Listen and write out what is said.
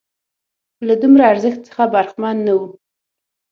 له دومره ارزښت څخه برخمن نه وو.